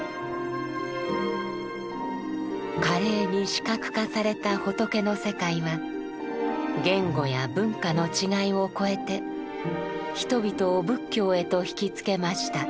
華麗に視覚化された仏の世界は言語や文化の違いを超えて人々を仏教へと惹きつけました。